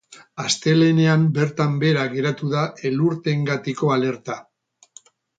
Astelehenean bertan behera geratu da elurteengatiko alerta.